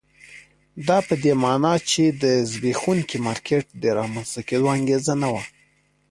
دا په دې معنی چې د زبېښونکي مارکېټ د رامنځته کېدو انګېزه نه وه.